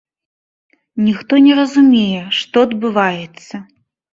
Ніхто не разумее, што адбываецца.